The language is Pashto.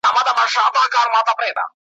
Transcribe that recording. مامي سوګند پر هر قدم ستا په نامه کولای ,